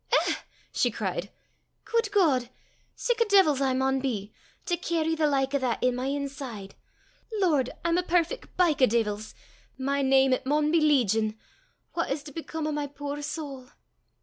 "Eh!" she cried; "guid God! sic a deevil 's I maun be, to cairry the like o' that i' my inside! Lord! I'm a perfec' byke o' deevils! My name, it maun be Legion. What is to become o' my puir sowl!"